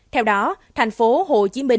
theo đó tp hcm